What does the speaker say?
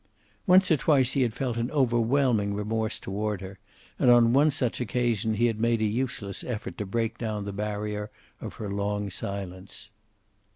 Once or twice he had felt an overwhelming remorse toward her, and on one such occasion he had made a useless effort to break down the barrier of her long silence.